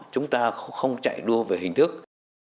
chúng ta không chạy đua về hình thức